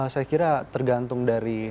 saya kira tergantung dari